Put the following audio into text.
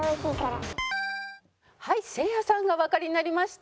はいせいやさんがおわかりになりました。